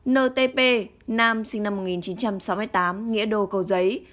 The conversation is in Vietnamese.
một ntp nam sinh năm một nghìn chín trăm sáu mươi tám nghĩa đồ cầu giấy